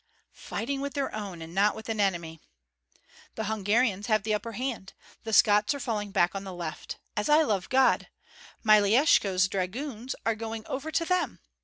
"Fighting with their own and not with an enemy." "The Hungarians have the upper hand. The Scots are falling back on the left. As I love God! Myeleshko's dragoons are going over to them!